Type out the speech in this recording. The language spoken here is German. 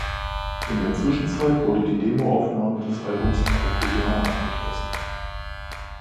In der Zwischenzeit wurde die Demo-Aufnahme des Albums „Probujdane“ abgeschlossen.